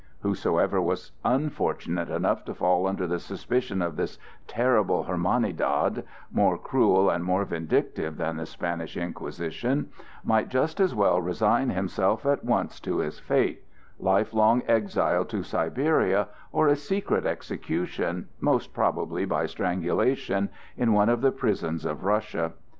Whosoever was unfortunate enough to fall under the suspicion of this terrible Hermandad—more cruel and more vindictive than the Spanish Inquisition—might just as well resign himself at once to his fate,—life long exile to Siberia or a secret execution, most probably by strangulation, in one of the prisons of Russia.